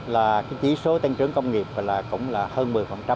là chỉ số tăng trưởng công nghiệp cũng là hơn một mươi một mươi ba